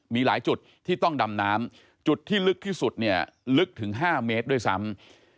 มีหลายจุดที่ต้องดำน้ำจุดที่ลึกที่สุดเนี่ยลึกถึง๕เมตรด้วยซ้ำ